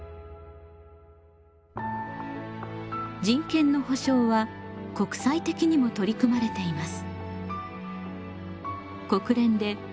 人権の保障は国際的にも取り組まれています。